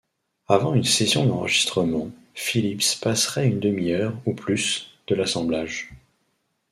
Avant une session d'enregistrement, Phillips passerait une demi-heure ou plus de l'assemblage.